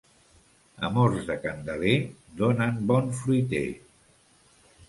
Amors de Candeler donen bon fruiter.